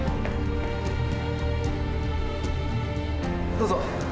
どうぞ。